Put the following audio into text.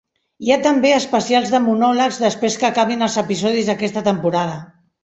Hi ha també especials de monòlegs després que acabin els episodis d'aquesta temporada.